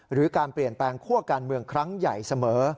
หรือการเปลี่ยนแปลงคั่วการเมืองครั้งใหญ่เสมอ